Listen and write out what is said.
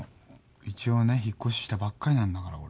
一応ね引っ越ししたばっかりなんだから俺。